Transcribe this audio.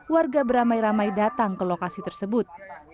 warga beramai ramai datang ke lokasi tersebut